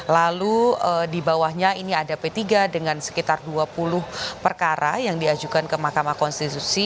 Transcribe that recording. lalu di bawahnya ini ada p tiga dengan sekitar dua puluh perkara yang diajukan ke mahkamah konstitusi